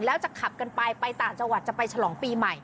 แล้วจะขับกันไปไปต่างจังหวัดจะไปฉลองปีใหม่